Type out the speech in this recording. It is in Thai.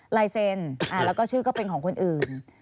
ลายเซ็นแล้วก็ชื่อก็เป็นของคนอื่น